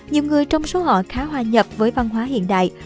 nhiều người trong số họ khá hòa nhập với văn hóa hiện đại